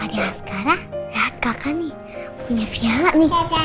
adik askara lihat kakak nih punya piala nih